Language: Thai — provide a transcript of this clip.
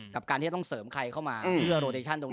กับการที่จะต้องเสริมใครเข้ามาเพื่อโรดิชั่นตรงนี้